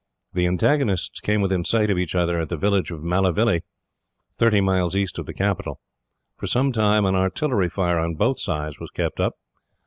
The antagonists came within sight of each other at the village of Malavilly, thirty miles east of the capital. For some time an artillery fire on both sides was kept up.